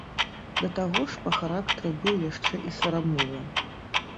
Да таго ж па характары быў яшчэ і сарамлівым.